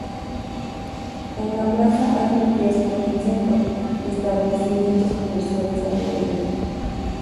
En la plaza hay un kiosco en el centro, y establecimientos comerciales alrededor.